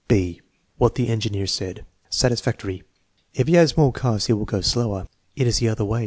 " (b) What the engineer said Satisfactory* "If he has more cars he will go slower." "It is the other way.